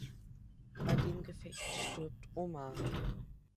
Bei dem Gefecht stirbt Omar.